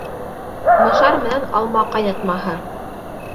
Мышар менән алма ҡайнатмаһы